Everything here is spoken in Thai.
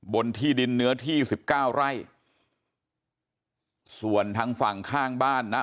บนที่ดินเนื้อที่สิบเก้าไร่ส่วนทางฝั่งข้างบ้านนะ